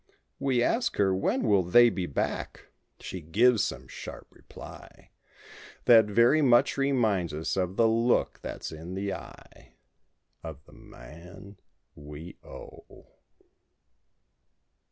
We ask her "When will they be back?" she gives some sharp reply That very much reminds us of the look that's in the eye— Of the man we owe.